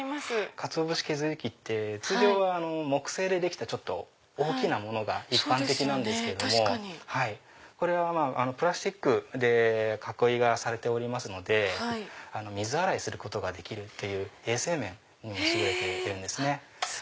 かつお節削り器って木製で大きなものが一般的ですけどもこれはプラスチックで囲いがされておりますので水洗いすることができるっていう衛生面にも優れているんですね。